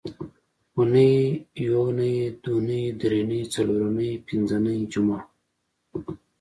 اونۍ یونۍ دونۍ درېنۍ څلورنۍ پینځنۍ جمعه